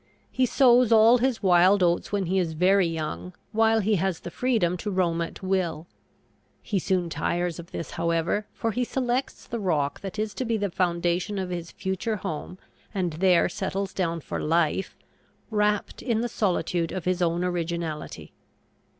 He sows all his wild oats when he is very young, while he has the freedom to roam at will. He soon tires of this, however, for he selects the rock that is to be the foundation of his future home and there settles down for life, "wrapt in the solitude of his own originality."